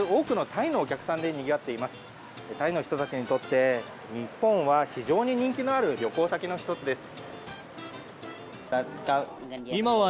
タイの人たちにとって日本は非常に人気のある旅行先の１つです。